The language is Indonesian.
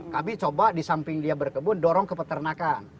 kami coba di samping dia berkebun dorong ke peternakan